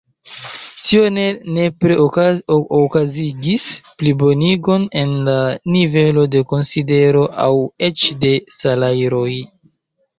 Tio ne nepre okazigis plibonigon en la nivelo de konsidero aŭ eĉ de salajroj.